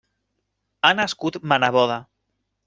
Ha nascut ma neboda.